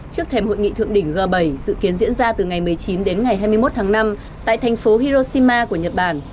trước thềm hội nghị thượng đỉnh g bảy dự kiến diễn ra từ ngày một mươi chín đến ngày hai mươi một tháng năm tại thành phố hiroshima của nhật bản